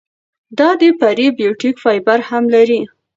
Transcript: دا د پری بیوټیک فایبر هم لري.